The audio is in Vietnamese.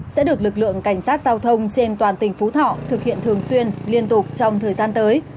sẽ được lực lượng cảnh sát giao thông trên toàn tỉnh phú thọ thực hiện thường xuyên liên tục trong thời gian tới